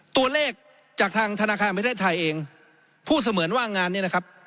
ตัวเลขจากทางธนาคารประเทศไทยเองพูดเสมือนว่างานนี้นะครับ